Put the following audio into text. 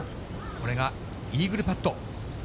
これがイーグルパット。